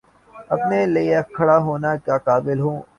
اپنے لیے کھڑا ہونے کے قابل ہوں